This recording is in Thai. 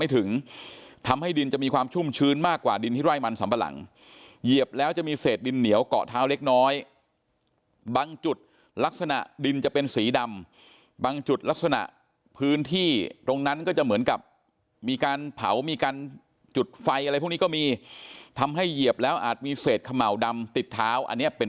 ถึงทำให้ดินจะมีความชุ่มชื้นมากกว่าดินที่ไร่มันสัมปะหลังเหยียบแล้วจะมีเศษดินเหนียวเกาะเท้าเล็กน้อยบางจุดลักษณะดินจะเป็นสีดำบางจุดลักษณะพื้นที่ตรงนั้นก็จะเหมือนกับมีการเผามีการจุดไฟอะไรพวกนี้ก็มีทำให้เหยียบแล้วอาจมีเศษเขม่าวดำติดเท้าอันนี้เป็น